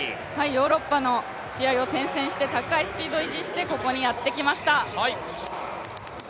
ヨーロッパの試合を転戦して高いスピードを維持して個々にやってきました。